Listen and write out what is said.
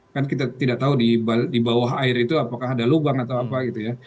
kan kita tidak tahu di bawah air itu apakah ada lubang atau apa gitu ya